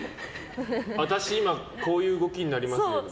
私、今こういう動きになりますよって？